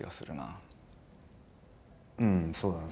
うんそうだな